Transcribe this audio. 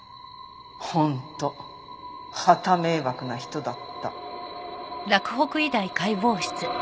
本当はた迷惑な人だった。